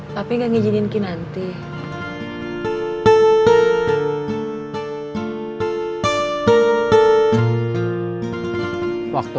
papi gak ngijinin kenanti